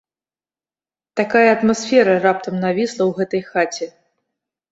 Такая атмасфера раптам навісла ў гэтай хаце.